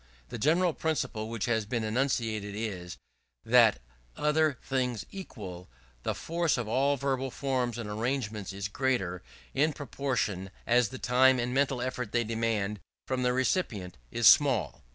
The general principle which has been enunciated is, that other things equal, the force of all verbal forms and arrangements is great, in proportion as the time and mental effort they demand from the recipient is small.